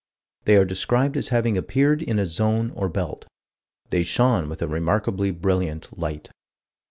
They are described as having appeared in a zone or belt. "They shone with a remarkably brilliant light."